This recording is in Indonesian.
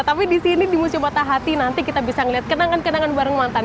tapi disini di musim patah hati nanti kita bisa melihat kenangan kenangan bareng mantan